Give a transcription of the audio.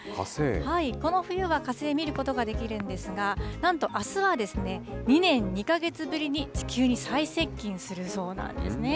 この冬は火星、見ることができるんですが、なんとあすはですね、２年２か月ぶりに地球に最接近するそうなんですね。